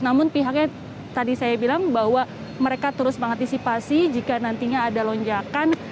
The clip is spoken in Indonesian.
namun pihaknya tadi saya bilang bahwa mereka terus mengantisipasi jika nantinya ada lonjakan